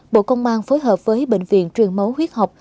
bộ công an phối hợp với bệnh viện truyền máu huyết học